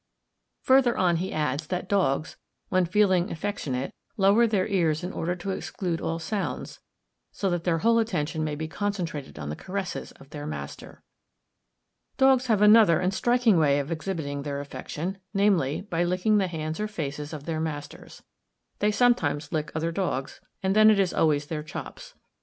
Further on, he adds, that dogs, when feeling affectionate, lower their ears in order to exclude all sounds, so that their whole attention may be concentrated on the caresses of their master! Dogs have another and striking way of exhibiting their affection, namely, by licking the hands or faces of their masters. They sometimes lick other dogs, and then it is always their chops.